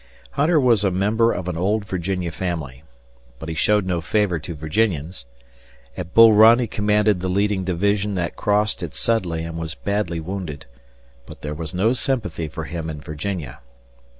Hunter was a member of an old Virginia family, but he showed no favor to Virginians. At Bull Run he commanded the leading division that crossed at Sudley and was badly wounded, but there was no sympathy for him in Virginia.